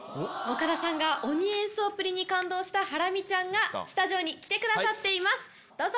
岡田さんが鬼演奏っぷりに感動したハラミちゃんがスタジオに来てくださっていますどうぞ。